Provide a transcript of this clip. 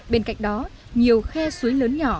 bên cạnh đó nhiều khe suối lớn nhỏ